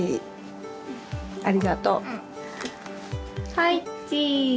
はいチーズ。